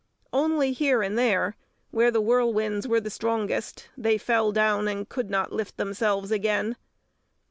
Only here and there, where the whirlwinds were the strongest, they fell down and could not lift themselves again.